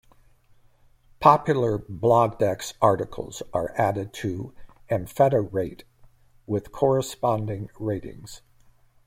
Popular BlogDex articles are added to AmphetaRate with corresponding ratings.